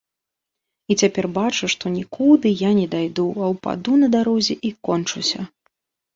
І цяпер бачу, што нікуды я не дайду, а ўпаду на дарозе і кончуся.